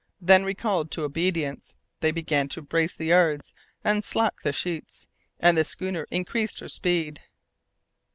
Then, recalled to obedience, they began to brace the yards and slack the sheets, and the schooner increased her speed.